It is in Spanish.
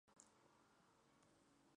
Los frutos son verdes con marcas púrpuras.